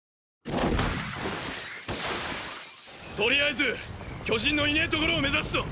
とりあえず巨人のいねぇ所を目指すぞ。